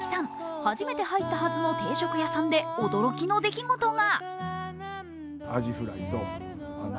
初めて入ったはずの定食屋さんで驚きの出来事が。